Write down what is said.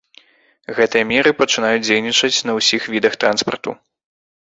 Гэтыя меры пачынаюць дзейнічаць на ўсіх відах транспарту.